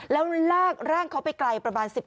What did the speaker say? แล้วลากร่างเขาไปไกลประมาณ๑๐